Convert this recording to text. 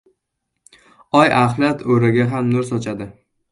• Oy axlat o‘raga ham nur sochadi.